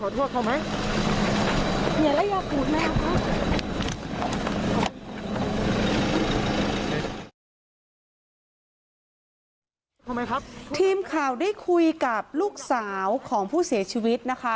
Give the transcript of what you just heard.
ทำไมครับทีมข่าวได้คุยกับลูกสาวของผู้เสียชีวิตนะคะ